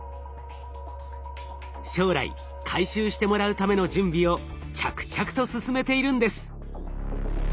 将来回収してもらうための準備を着々と進めているんです。